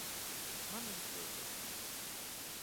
Man viņas pietrūkst.